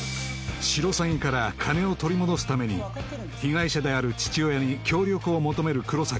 シロサギから金を取り戻すために被害者である父親に協力を求める黒崎